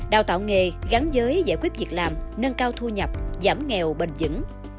đào tạo nghề gắn giới giải quyết việc làm nâng cao thu nhập giảm nghèo bền dững